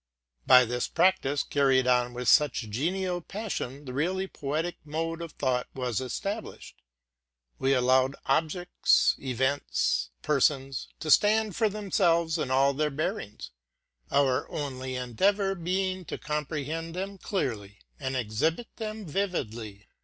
By this practice, carried on with genial passion, the really poetic mode of thought was established. We allowed ob jects, events, persons, to stand for themselves in all their bearings; our only endeayor being to comprehend them clearly and exhibit them vividly.